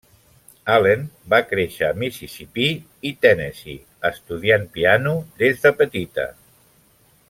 Allen va créixer a Mississipí i Tennessee, estudiant piano des de petita.